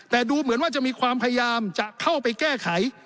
แต่ดูเหมือนว่าจะมีความพยายามจะเข้าไปแก้ไข